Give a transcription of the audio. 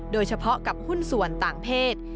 โดยเฉพาะกับหุ้นส่วนต่างเพศ